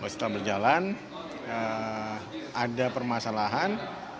setelah berjalan ada permasalahan